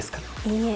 いいえ。